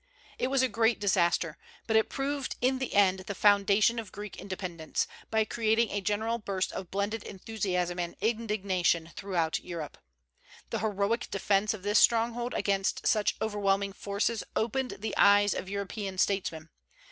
It was a great disaster, but proved in the end the foundation of Greek independence, by creating a general burst of blended enthusiasm and indignation throughout Europe. The heroic defence of this stronghold against such overwhelming forces opened the eyes of European statesmen.